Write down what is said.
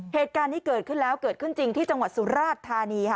เหตุการณ์นี้เกิดขึ้นแล้วเกิดขึ้นจริงที่จังหวัดสุราชธานีค่ะ